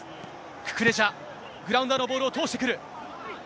ククレジャ、グラウンダーのボールを通してくる。